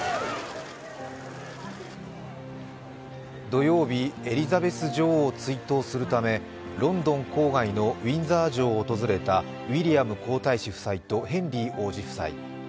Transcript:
土曜日、エリザベス女王を追悼するためロンドン郊外のウィンザー城を訪れたウィリアム皇太子夫妻とヘンリー王子夫妻。